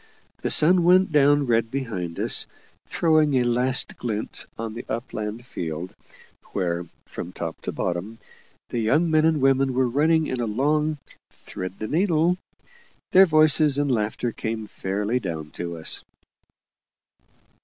The sun went down red behind us, throwing a last glint on the upland field, where, from top to bottom, the young men and women were running in a long "Thread the needle." Their voices and laughter came fairly down to us.